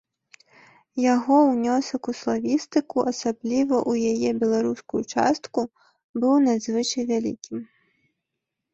Яго ўнёсак у славістыку, асабліва ў яе беларускую частку, быў надзвычай вялікім.